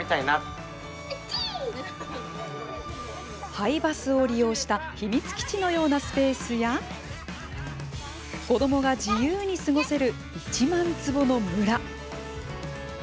廃バスを利用した秘密基地のようなスペースや子どもが自由に過ごせる１万坪の村。